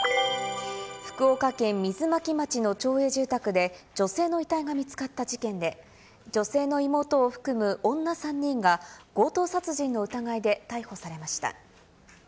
福岡県水巻町の町営住宅で、女性の遺体が見つかった事件で、女性の妹を含む女３人が、強盗殺人の疑いで逮捕されました。